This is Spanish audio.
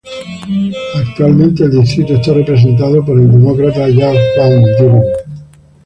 Actualmente el distrito está representado por el Demócrata Jeff Van Drew.